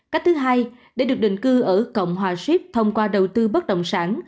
cách thứ hai để được định cư ở cộng hòa ship thông qua đầu tư bất động sản